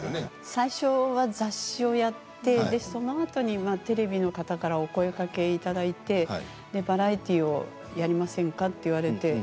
最初は雑誌をやってそのあとにテレビの方からお声がけいただいてバラエティーをやりませんかって言われて。